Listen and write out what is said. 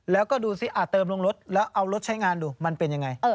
แล้วก็ดูสิเติมลงรถแล้วเอารถใช้งานดูมันเป็นยังไง